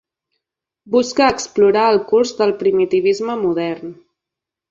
Busca explorar el curs del primitivisme modern.